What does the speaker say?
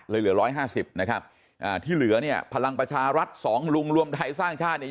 เลยเหลือร้อยห้าสิบนะครับอ่าที่เหลือเนี่ยพลังประชารัฐสองรุงรวมไทยสร้างชาติเนี่ย